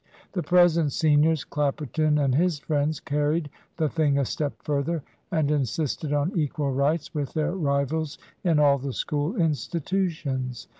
The present seniors, Clapperton and his friends, carried the thing a step further, and insisted on equal rights with their rivals in all the School institutions.